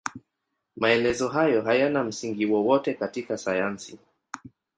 Maelezo hayo hayana msingi wowote katika sayansi.